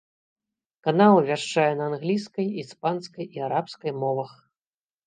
Канал вяшчае на англійскай, іспанскай і арабскай мовах.